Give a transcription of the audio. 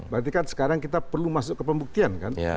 berarti kan sekarang kita perlu masuk ke pembuktian kan